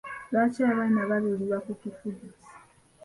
Lwaki abaana baalulirwa ku kifugi?